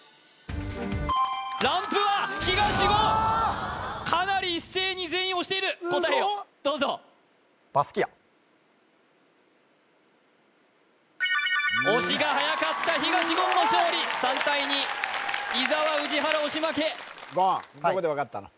ランプは東言かなり一斉に全員押している答えをどうぞ押しがはやかった東言の勝利３対２伊沢宇治原押し負け言どこで分かったの？